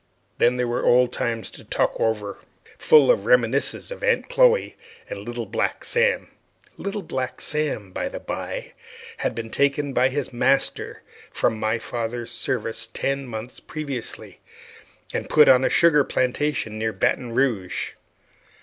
Then there were old times to talk over, full of reminiscences of Aunt Chloe and little Black Sam. Little Black Sam, by the by, had been taken by his master from my father's service ten months previously, and put on a sugar plantation near Baton Rouge.